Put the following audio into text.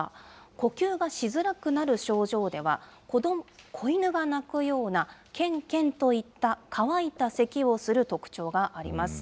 呼吸がしづらくなる症状では、子犬が鳴くような、けんけんといった乾いたせきをする特徴があります。